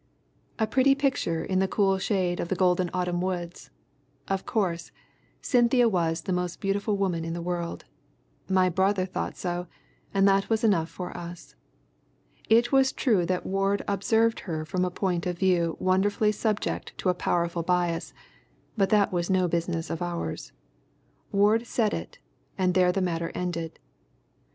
A pretty picture in the cool shade of the golden autumn woods. Of course, Cynthia was the most beautiful woman in the world. My brother thought so, and that was enough for us. It was true that Ward observed her from a point of view wonderfully subject to a powerful bias, but that was no business of ours. Ward said it, and there the matter ended.